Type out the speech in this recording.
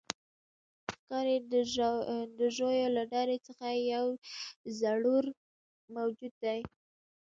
ښکاري د ژویو له ډلې څخه یو زړور موجود دی.